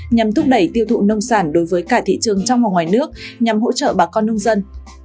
nhằm thúc đẩy tiêu thụ nông sản đối với cả thị trường trong và ngoài nước nhằm hỗ trợ bà con nông dân